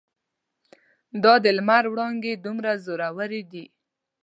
دا د لمر وړانګې دومره زورورې دي.